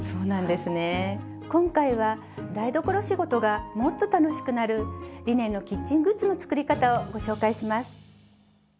今回は台所仕事がもっと楽しくなるリネンのキッチングッズの作り方をご紹介します。